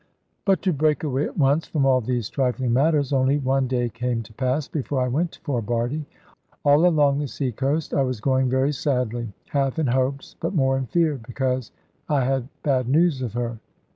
But to break away at once from all these trifling matters, only one day came to pass before I went for Bardie. All along the sea coast I was going very sadly; half in hopes, but more in fear, because I had bad news of her.